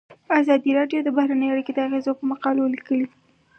ازادي راډیو د بهرنۍ اړیکې د اغیزو په اړه مقالو لیکلي.